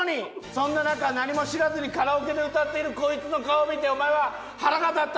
そんな中何も知らずにカラオケで歌っているこいつの顔を見てお前は腹が立った。